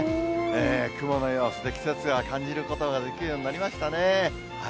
雲の様子で季節を感じることができるようになりましたね。